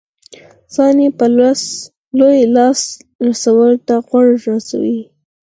ځان یې په لوی لاس روسانو ته غورځولی وای.